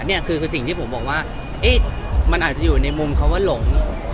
นี่คือสิ่งที่ผมบอกว่ามันอาจจะอยู่ในมุมเขาว่าหลง